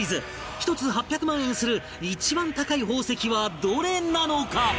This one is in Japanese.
１つ８００万円する一番高い宝石はどれなのか？